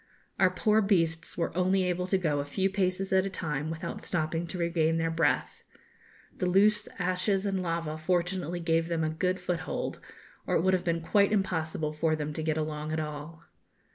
Our poor beasts were only able to go a few paces at a time without stopping to regain their breath. The loose ashes and lava fortunately gave them a good foothold, or it would have been quite impossible for them to get along at all.